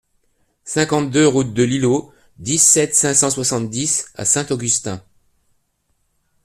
cinquante-deux route de l'Ilot, dix-sept, cinq cent soixante-dix à Saint-Augustin